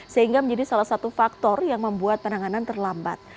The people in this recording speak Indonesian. sehingga menjadi salah satu faktor yang membuat penanganan terlambat